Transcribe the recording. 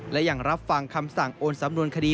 และยังรับฟังคำสั่งโอนสำนวนคดี